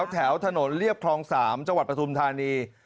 แถวถนนเรียบคลอง๓จปฐานี